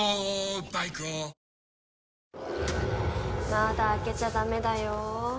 まだ開けちゃダメだよ。